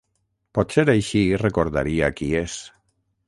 Potser així recordaria qui és.